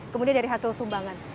kemudian dari hasil sumbangan